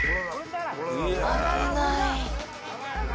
危ない。